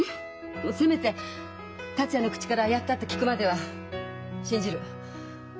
せめて達也の口から「やった」って聞くまでは信じる。